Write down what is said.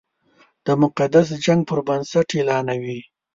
د مقدس جنګ پر بنسټ اعلانوي.